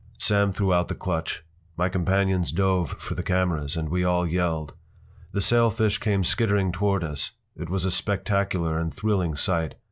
Sam threw out the clutch. My companions dove for the cameras, and we all yelled. The sailfish came skittering toward us. It was a spectacular and thrilling sight.